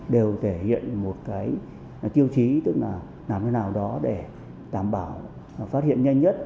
đều thể hiện một cái tiêu chí tức là làm thế nào đó để đảm bảo phát hiện nhanh nhất